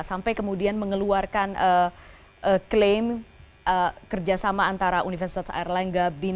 sampai kemudian mengeluarkan klaim kerjasama antara universitas airlangga bin